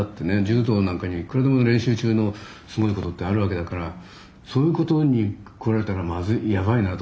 柔道なんかにはいくらでも練習中のすごいことってあるわけだからそういうことにこられたらまずいやばいなあとか思ってたり。